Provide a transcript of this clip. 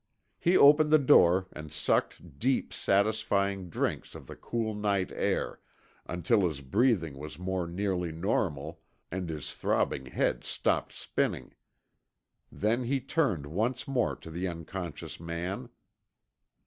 He opened the door and sucked deep, satisfying drinks of the cool night air until his breathing was more nearly normal and his throbbing head stopped spinning. Then he turned once more to the unconscious man.